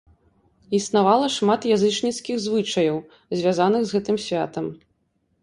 Існавала шмат язычніцкіх звычаяў, звязаных з гэтым святам.